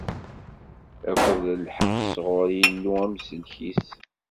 Akked lḥeqq sɣur Yillu, Amsellek-is.